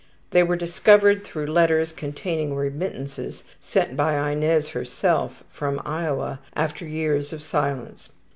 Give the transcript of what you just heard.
They were discovered through letters containing remittances sent by Inez herself from Iowa, after years of silence.